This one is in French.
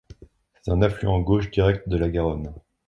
C'est un affluent gauche direct de la Garonne.